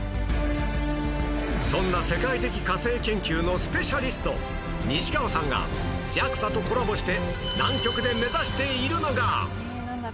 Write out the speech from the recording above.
そんな世界的火星研究のスペシャリスト西川さんが ＪＡＸＡ とコラボして南極で目指しているのが